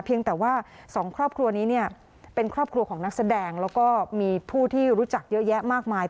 แต่ว่าสองครอบครัวนี้เนี่ยเป็นครอบครัวของนักแสดงแล้วก็มีผู้ที่รู้จักเยอะแยะมากมาย